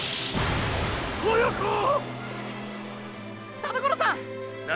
田所さん！